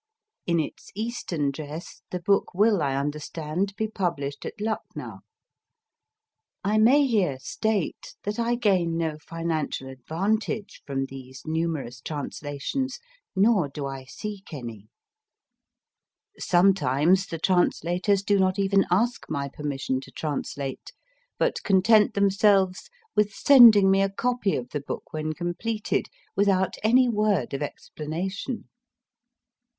In its Eastern dress the book will, I understand, be published at Lucknow. I may here state that I gain no financial advantage from these numerous translations, nor do I seek any. Sometimes the translators do not even ask my permission to translate, but content themselves with sending me a copy of the book when completed, without any word of explanation.